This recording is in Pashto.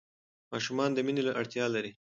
ماشومان د مینې اړتیا لري.